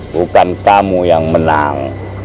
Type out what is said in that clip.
bukan kamu yang menang